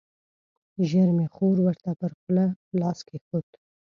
ژر مې خور ورته پر خوله لاس کېښود.